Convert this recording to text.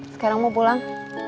sekarang mau pulang